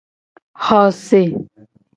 Xo se.